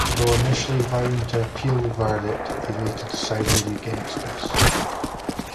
Although initially vowing to appeal the verdict, they later decided against this.